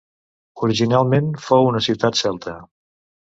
Originalment fou una ciutat celta.